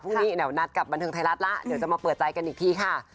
พรุ่งนี้แนวนัดกับบันเทิงไทยรัฐแล้วเดี๋ยวจะมาเปิดใจกันอีกทีค่ะ